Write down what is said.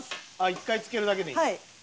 １回つけるだけでいいんだ。